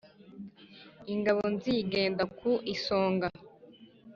Ingabo nzigenda ku isonga